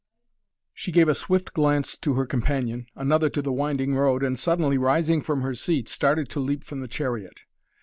She gave a swift glance to her companion, another to the winding road and, suddenly rising from her seat, started to leap from the chariot.